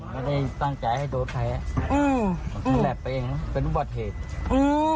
ไม่ได้ตั้งใจให้โดนแพ้อืมฉลับไปเองเป็นอุบัติเหตุอืม